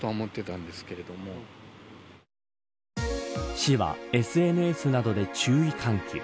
市はＳＮＳなどで注意喚起。